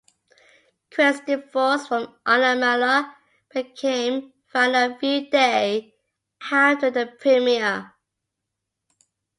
Krenek's divorce from Anna Mahler became final a few days after the premiere.